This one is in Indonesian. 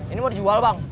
ini mau dijual bang